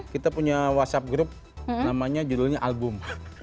kita punya whatsapp group namanya judulnya album